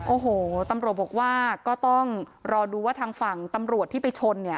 โอ้โหตำรวจบอกว่าก็ต้องรอดูว่าทางฝั่งตำรวจที่ไปชนเนี่ย